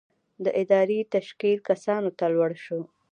د ادارې تشکیل کسانو ته لوړ شو.